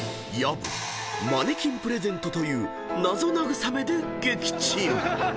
［薮マネキンプレゼントという謎なぐさめで撃沈］